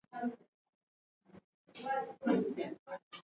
dishi wetu pendo pomdovia ameandaa taarifa ifuatanyo